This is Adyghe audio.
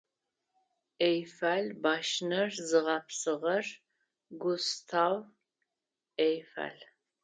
Эйфел башнэр зыгъэпсыгъэр Густав Эйфел.